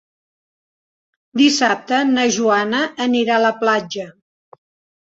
Dissabte na Joana anirà a la platja.